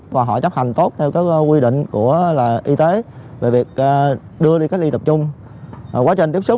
và họ chấp hành tốt theo các quy định của y tế về việc đưa đi cách ly tập trung quá trình tiếp xúc